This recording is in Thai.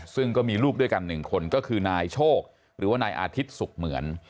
ซึ่งก็มีลูกด้วยกัน๑คนก็คือนายโชคหรือว่านายอาทิตย์สุขเหมือน